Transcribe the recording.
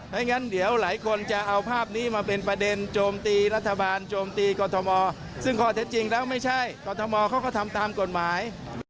อย่างนั้นเดี๋ยวหลายคนจะเอาภาพนี้มาเป็นประเด็นโจมตีรัฐบาลโจมตีกรทมซึ่งข้อเท็จจริงแล้วไม่ใช่กรทมเขาก็ทำตามกฎหมาย